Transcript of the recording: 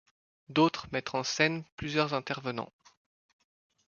D'autres mettent en scène plusieurs intervenants.